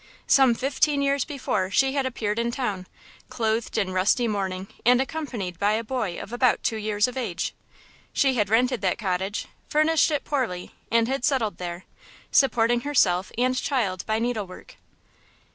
Some fifteen years before she had appeared in town, clothed in rusty mourning and accompanied by a boy of about two years of age. She had rented that cottage, furnished it poorly and had settled there, supporting herself and child by needlework.